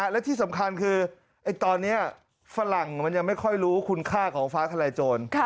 และที่สำคัญคือตอนนี้ฝรั่งมันยังไม่ค่อยรู้คุณค่าของฟ้าทลายโจร